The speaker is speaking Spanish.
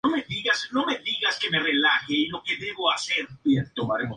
Participa en la primera división del Baloncesto Profesional Colombiano.